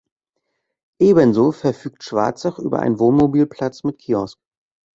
Ebenso verfügt Schwarzach über einen Wohnmobil-Platz mit Kiosk.